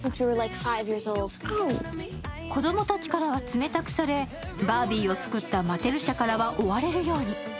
子供たちからは冷たくされバービーを作ったマテル社からは追われるように。